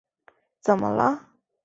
怎么了？